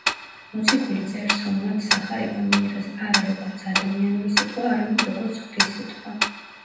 მოციქული წერს, რომ მათ სახარება მიიღეს არა როგორც ადამიანური სიტყვა, არამედ როგორც ღვთის სიტყვა.